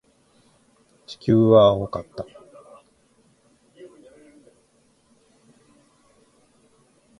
地球は青かった。